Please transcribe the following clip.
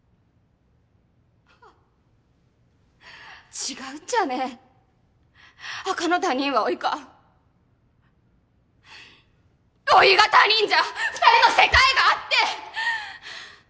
違うっちゃね赤の他人はおいかおいが他人じゃ二人の世界があって！